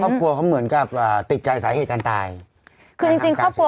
ครอบครัวเขาเหมือนกับอ่าติดใจสาเหตุการตายคือจริงจริงครอบครัว